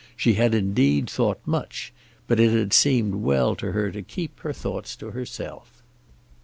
She had indeed thought much, but it had seemed well to her to keep her thoughts to herself.